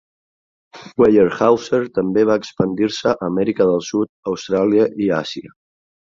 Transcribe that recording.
Weyerhaeuser també va expandir-se a Amèrica del Sud, Austràlia i Àsia.